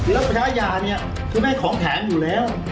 แล้วเวลาแพ้ย่าเนี่ยคุณพ่อแม่ของแถมอยู่แล้ว